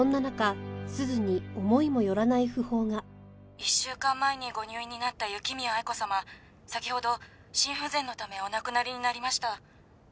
「１週間前にご入院になった雪宮愛子様先ほど心不全のためお亡くなりになりました」